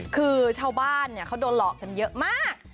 คือชาวบ้านเขาโดนหลอกกันเยอะมาก